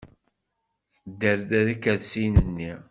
Tderrer ikersiyen-nni.